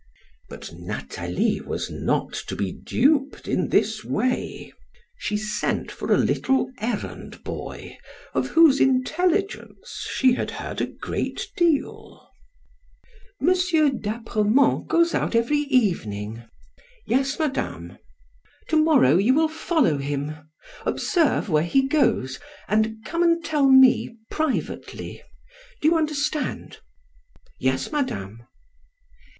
But Nathalie was not to be duped in this way. She sent for a little errand boy, of whose intelligence she had heard a great deal. "M. d'Apremont goes out every evening." "Yes, madame." "To morrow, you will follow him; observe where he goes, and come and tell me privately. Do you understand?" "Yes, madame."